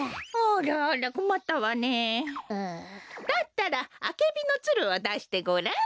だったらアケビのツルをだしてごらん？